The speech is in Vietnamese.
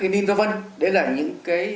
đấy là những cái